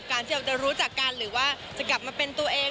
ที่เราจะรู้จักกันหรือว่าจะกลับมาเป็นตัวเอง